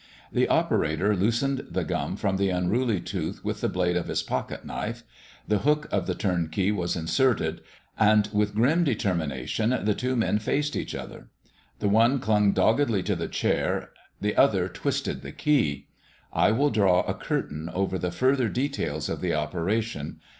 The operator loosened the gum from the unruly tooth with the blade of his pocket knife, the hook of the turn key was inserted, and with grim determination the two men faced each other. The one clung doggedly to the chair, the other twisted the key. I will draw a curtain over the further details of the operation.